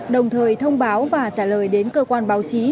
đồng thời thông báo và trả lời đến cơ quan báo chí